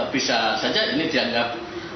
bisa saja ini dianggap